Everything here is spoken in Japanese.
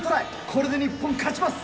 これで日本勝ちます。